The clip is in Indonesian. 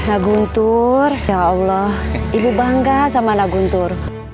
naguntur ya allah ibu bangga sama naguntur